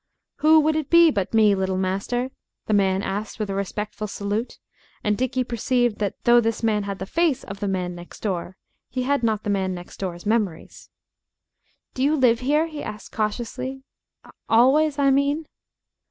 "Who would it be but me, little master?" the man asked with a respectful salute, and Dickie perceived that though this man had the face of the Man Next Door, he had not the Man Next Door's memories. "Do you live here?" he asked cautiously "always, I mean."